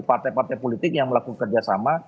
partai partai politik yang melakukan kerjasama